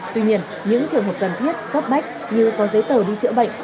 tuy nhiên những trường hợp cần thiết cấp bách như có giấy tờ đi chữa bệnh